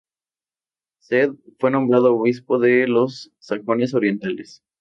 Cedd fue nombrado obispo de los sajones orientales.